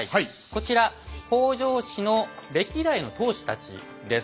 こちら北条氏の歴代の当主たちです。